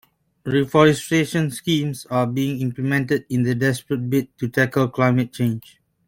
Reforestation schemes are being implemented in a desperate bid to tackle climate change.